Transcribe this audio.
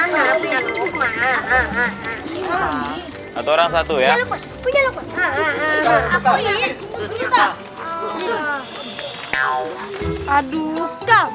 satu orang satu ya